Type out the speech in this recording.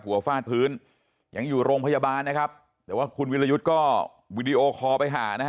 ฟาดพื้นยังอยู่โรงพยาบาลนะครับแต่ว่าคุณวิรยุทธ์ก็วีดีโอคอลไปหานะฮะ